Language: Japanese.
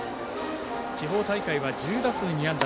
地方大会は１０打数２安打。